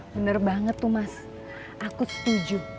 bener banget tuh mas aku setuju